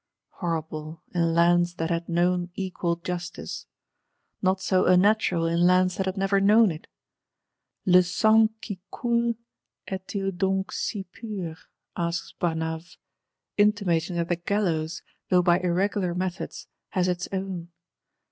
Horrible, in Lands that had known equal justice! Not so unnatural in Lands that had never known it. Le sang qui coule est il donc si pure? asks Barnave; intimating that the Gallows, though by irregular methods, has its own.